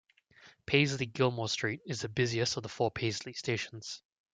Paisley Gilmour Street is the busiest of the four Paisley stations.